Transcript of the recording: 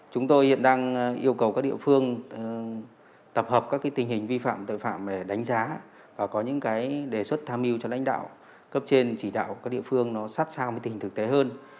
chúng tôi hiện đang yêu cầu các địa phương tập hợp các tình hình vi phạm tội phạm để đánh giá và có những đề xuất tham mưu cho lãnh đạo cấp trên chỉ đạo các địa phương sát sao với tình thực tế hơn